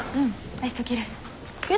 アイス溶ける。